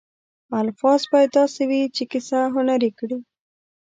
الفاظ باید داسې وي چې کیسه هنري کړي.